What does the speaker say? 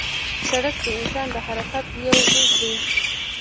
سړک د انسان د حرکت یو جز دی.